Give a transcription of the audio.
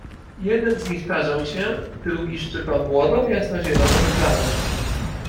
Jeden z nich tarzał się, drugi szczypał młodą, jasnozieloną trawę.